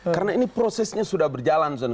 karena ini prosesnya sudah berjalan